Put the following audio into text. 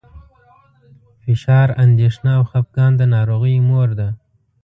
فشار، اندېښنه او خپګان د ناروغیو مور ده.